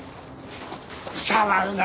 触るな！